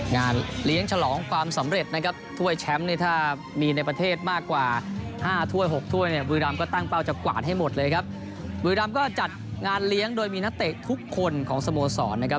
งานเลี้ยงฉลองความสำเร็จนะครับถ้า